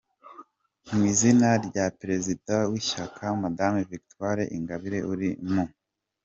Mw’izina rya perezida w’Ishyaka Madame Victoire Ingabire uri mu